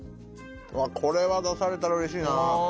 これは出されたらうれしいな。